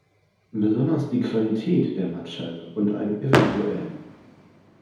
Besonders die Qualität der Mattscheibe und ein evtl.